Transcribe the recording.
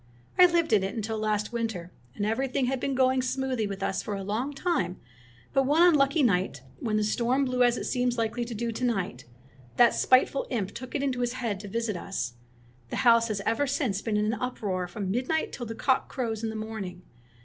I lived in it until last winter, and everything had been going smoothly with us for a long time, but one unlucky night, when the storm blew as it seems likely to do to night, that spiteful imp took it into his head to visit us. The house has ever since been in an uproar from midnight till the cock crows in the morning.